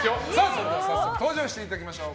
早速、登場していただきましょう。